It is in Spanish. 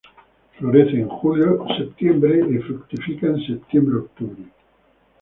Florece en julio-septiembre y fructifica en septiembre-octubre.